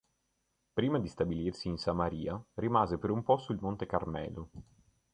Prima di stabilirsi in Samaria, rimase per un po' sul Monte Carmelo.